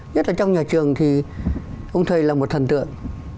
nhất là trong nhà trường thì ông thầy là một thần tượng